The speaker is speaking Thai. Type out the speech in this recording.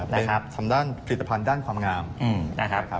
เป็นผลิตภัณฑ์ด้านความงาม